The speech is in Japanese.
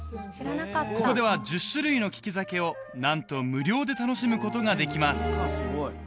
ここでは１０種類の利き酒をなんと無料で楽しむことができます